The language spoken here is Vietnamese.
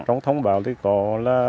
trong thông báo thì có là